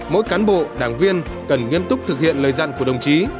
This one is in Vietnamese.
mỗi cán bộ đảng viên cần nghiêm túc thực hiện lời dặn của đồng chí